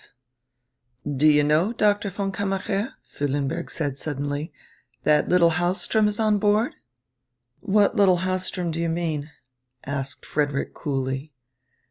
V "Do you know, Doctor von Kammacher," Füllenberg said suddenly, "that little Hahlström is on board?" "What little Hahlström do you mean?" asked Frederick coolly.